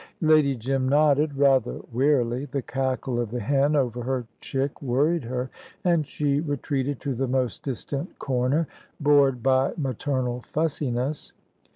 Lady Jim nodded, rather wearily. The cackle of the hen over her chick worried her, and she retreated to the most distant corner, bored by maternal fussiness.